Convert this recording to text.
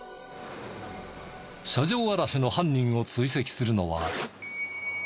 車上あらしの犯人を追跡するのは京都府警察